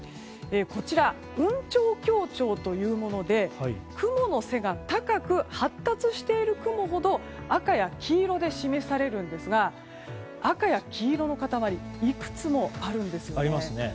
雲頂強調というもので雲の背が高く発達している雲ほど赤や黄色で示されるんですが赤や黄色の塊がいくつもあるんですよね。